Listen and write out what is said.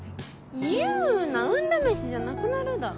言うな運試しじゃなくなるだろ。